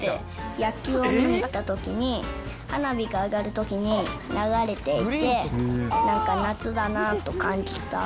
野球を見に行ったときに、花火が上がるときに、流れていて、なんか夏だなと感じた。